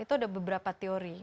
itu ada beberapa teori